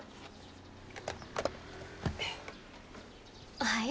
おはよう。